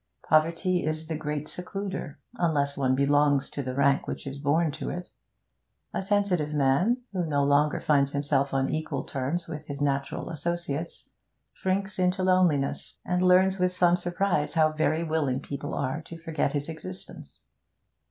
Poverty is the great secluder unless one belongs to the rank which is born to it; a sensitive man who no longer finds himself on equal terms with his natural associates, shrinks into loneliness, and learns with some surprise how very willing people are to forget his existence.